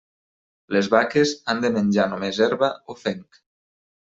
Les vaques han de menjar només herba o fenc.